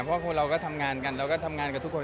เพราะคนเราก็ทำงานกันเราก็ทำงานกับทุกคน